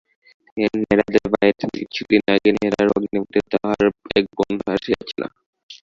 নেড়াদের বাড়িতে কিছুদিন আগে নেড়ার ভগ্নীপতি ও তঁহার এক বন্ধু আসিয়াছিল।